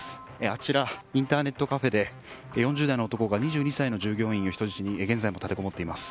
あちらのインターネットカフェで４０代の男が２２歳の従業員を人質に現在も立てこもっています。